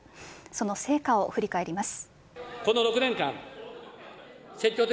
その成果を振り返ります。